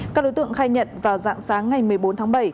các đối tượng khai nhận vào dạng sáng ngày một mươi bốn tháng bảy